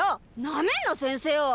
なめんな先生を！